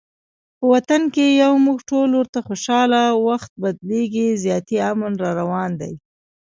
په وطن کې یو موږ ټول ورته خوشحاله، وخت بدلیږي زیاتي امن راروان دي